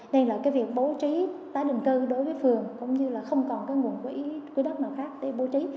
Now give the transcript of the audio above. nên là cái việc bố trí tái định cư đối với phường cũng như là không còn cái nguồn quỹ quỹ đất nào khác để bố trí